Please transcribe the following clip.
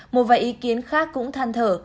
một vài ý kiến khác cũng than thở